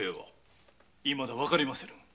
いまだわかりませぬ。